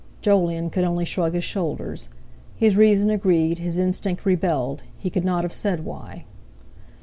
Jolyon could only shrug his shoulders. His reason agreed, his instinct rebelled; he could not have said why.